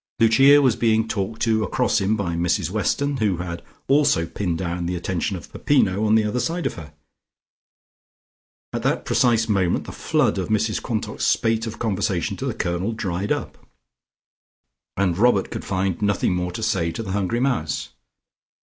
Lucia was being talked to across him by Mrs Weston, who had also pinned down the attention of Peppino on the other side of her. At that precise moment the flood of Mrs Quantock's spate of conversation to the Colonel dried up, and Robert could find nothing more to say to the hungry mouse.